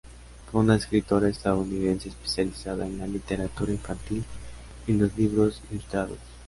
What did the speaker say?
Fue una escritora estadounidense especializada en la literatura infantil y los libros ilustrados.